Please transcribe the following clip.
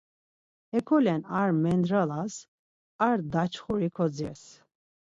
Hekolen, ar mendralas, ar daçxuri kodzires.